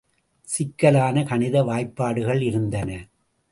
சிக்கலான கணித வாய்பாடுகள் இருந்தன.